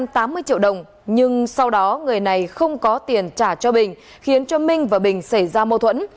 tám mươi triệu đồng nhưng sau đó người này không có tiền trả cho bình khiến cho minh và bình xảy ra mâu thuẫn